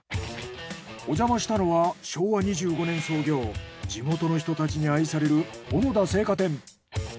おじゃましたのは昭和２５年創業地元の人たちに愛される小野田青果店。